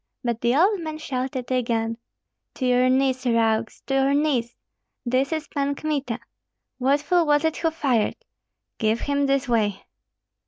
But the old man shouted again, "To your knees, rogues, to your knees! This is Pan Kmita! What fool was it who fired? Give him this way!"